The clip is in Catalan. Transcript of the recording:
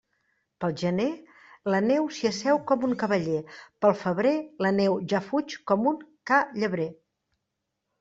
Pel gener, la neu s'hi asseu com un cavaller; pel febrer, la neu ja fuig com un ca llebrer.